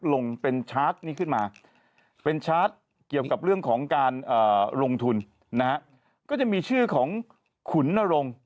ลงเป็นชาร์จนี้ขึ้นมาเป็นชาร์จเกี่ยวกับเรื่องของการลงทุนนะฮะก็จะมีชื่อของขุนนรงค์